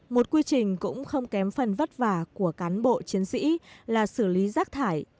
một quy trình cũng không kém phần vất vả của cán bộ chiến sĩ là xử lý rác thải